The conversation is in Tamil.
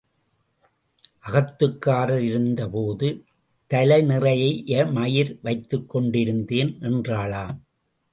அகத்துக்காரர் இருந்த போது தலைநிறைய மயிர் வைத்துக் கொண்டிருந்தேன் என்றாளாம்.